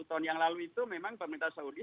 tahun yang lalu itu memang pemerintah saudi